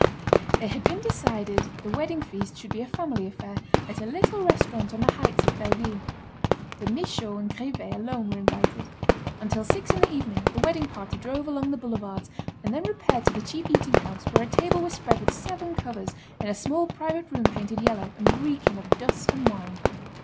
It had been decided that the wedding feast should be a family affair at a little restaurant on the heights of Belleville. The Michauds and Grivet alone were invited. Until six in the evening, the wedding party drove along the boulevards, and then repaired to the cheap eating house where a table was spread with seven covers in a small private room painted yellow, and reeking of dust and wine.